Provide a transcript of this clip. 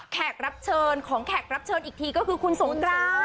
แขกรับเชิญของแขกรับเชิญอีกทีก็คือคุณสงกราน